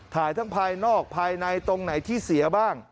ถ่ายทั้งภายนอกภายในตรงไหนที่เสียบ้าง